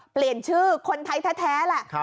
เปลี่ยนชื่อคนไทยแท้แท้แหละครับ